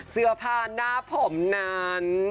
เสื้อผ้าหน้าผมนั้น